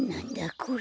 これ。